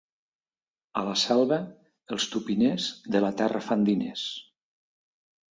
A la Selva, els tupiners, de la terra fan diners.